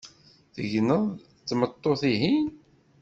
Tegneḍ d tmeṭṭut-ihin?